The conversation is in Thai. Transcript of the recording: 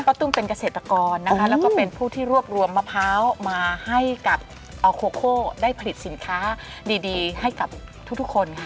ตุ้มเป็นเกษตรกรนะคะแล้วก็เป็นผู้ที่รวบรวมมะพร้าวมาให้กับออโคโคได้ผลิตสินค้าดีให้กับทุกคนค่ะ